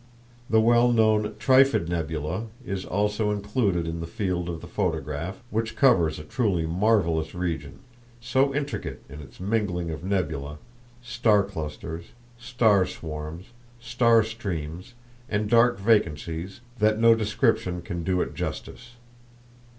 The well known "Trifid Nebula" is also included in the field of the photograph, which covers a truly marvelous region, so intricate in its mingling of nebulæ, star clusters, star swarms, star streams, and dark vacancies that no description can do it justice.